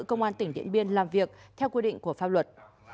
công an tỉnh điện biên làm việc theo quy định của pháp luật